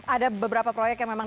ada beberapa proyek yang memang